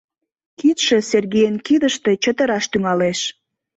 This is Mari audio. Кидше Сергейын кидыште чытыраш тӱҥалеш.